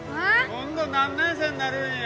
今度何年生になるんや？